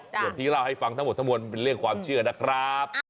ส่วนที่เล่าให้ฟังทั้งหมดทั้งมวลเป็นเรื่องความเชื่อนะครับ